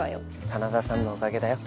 真田さんのおかげだよ。